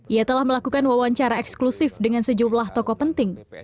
ia telah melakukan wawancara eksklusif dengan sejumlah tokoh penting